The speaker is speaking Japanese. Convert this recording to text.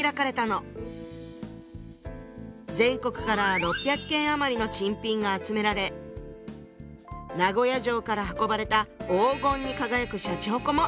全国から６００件余りの珍品が集められ名古屋城から運ばれた黄金に輝くしゃちほこも展示していたそうよ。